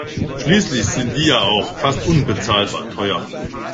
Schließlich sind die ja auch fast unbezahlbar teuer.